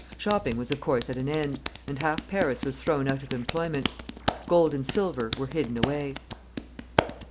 Shopping was of course at an end, and half Paris was thrown out of employment. Gold and silver were hidden away.